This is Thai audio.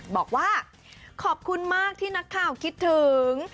บอกว่าขอบคุณมากที่นักข่าวคิดถึง